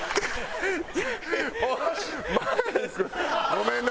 ごめんね。